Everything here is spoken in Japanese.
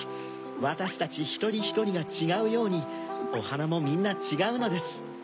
わたしたちひとりひとりがちがうようにおはなもみんなちがうのです。